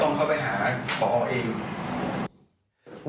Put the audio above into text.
เข้าไปหาพอเอง